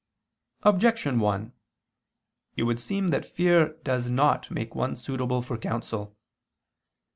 Objection 1: It would seem that fear does not make one suitable for counsel.